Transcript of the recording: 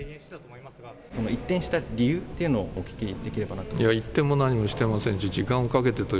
一転した理由っていうのをお聞きできればなと。